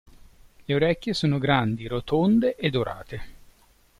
Le orecchie sono grandi, rotonde e dorate.